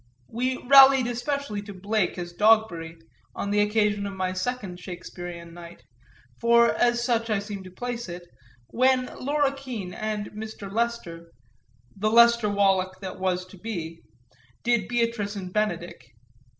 We rallied especially to Blake as Dogberry, on the occasion of my second Shakespearean night, for as such I seem to place it, when Laura Keene and Mr. Lester the Lester Wallack that was to be did Beatrice and Benedick.